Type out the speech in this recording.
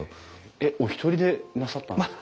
えっお一人でなさったんですか？